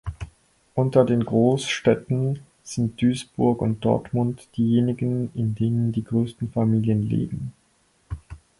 Unter den Großstädten sind Duisburg und Dortmund diejenigen, in denen die größten Familien leben.